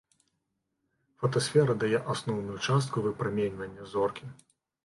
Фотасфера дае асноўную частку выпраменьвання зоркі.